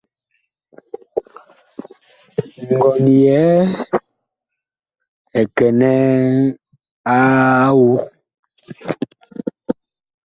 Ngɔn yɛɛ ɛ kɛnɛɛ a awug.